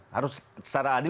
harus secara adil